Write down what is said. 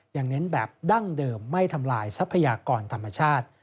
เน้นแบบดั้งเดิมไม่ทำลายทรัพยากรธรรมชาติ